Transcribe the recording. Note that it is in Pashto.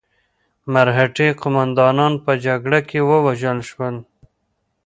مرهټي قوماندانان په جګړه کې ووژل شول.